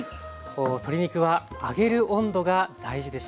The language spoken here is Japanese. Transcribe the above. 鶏肉は揚げる温度が大事でした。